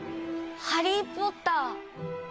『ハリー・ポッター』。